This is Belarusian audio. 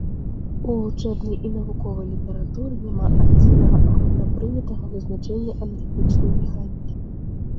У вучэбнай і навуковай літаратуры няма адзінага агульнапрынятага вызначэння аналітычнай механікі.